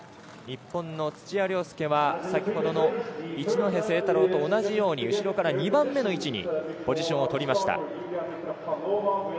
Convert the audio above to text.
日本の土屋良輔は先ほどの一戸誠太郎と同じように後ろから２番目の位置にポジションを取りました。